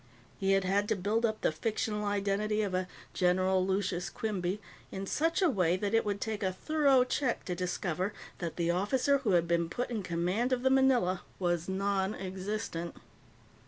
He had had to build up the fictional identity of a "General Lucius Quinby" in such a way that it would take a thorough check to discover that the officer who had been put in command of the Manila was nonexistent.